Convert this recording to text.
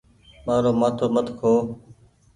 مآرو مآٿو مت کو۔